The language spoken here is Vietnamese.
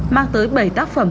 mang tới bảy tác phẩm